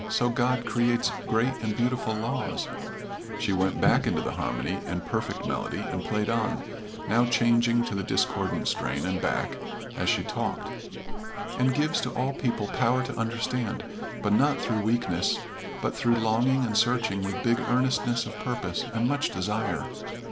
So God creates great and beautiful laws " she went back into the harmony and perfect melody, and played on, now changing to the discordant strain, and back, as she talked "and gives to all people power to understand, but not through weakness but through longing and searching with big earnestness of purpose, and much desire.